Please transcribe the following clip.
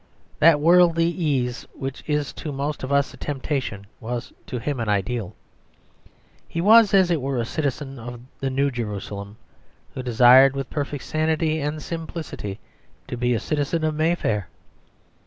That worldly ease which is to most of us a temptation was to him an ideal. He was as it were a citizen of the New Jerusalem who desired with perfect sanity and simplicity to be a citizen of Mayfair.